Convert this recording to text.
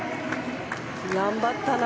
頑張ったな。